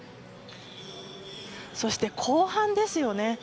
そして後半ですよね。